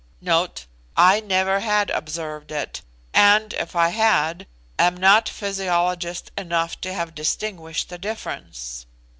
* I never had observed it; and, if I had, am not physiologist enough to have distinguished the difference.